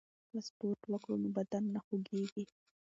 که سپورت وکړو نو بدن نه خوږیږي.